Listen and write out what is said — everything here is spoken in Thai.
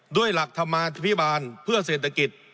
ด้วยหลักธรรมาธิพิบาลเพื่อเศรษฐกิจ